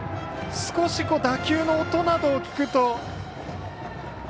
少し打球の音などを聞くと。